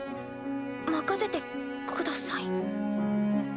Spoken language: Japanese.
任せてください。